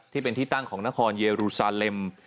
ที่เป็นที่ตั้งของนครเยรูซาเลม